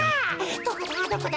どこだどこだ？